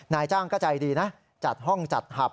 นายจ้างก็ใจดีนะจัดห้องจัดหับ